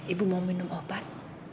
ibu mau minum obat